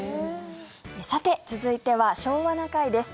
続いては「昭和な会」です。